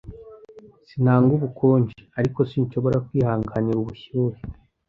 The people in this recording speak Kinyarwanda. Sinanga ubukonje, ariko sinshobora kwihanganira ubushyuhe.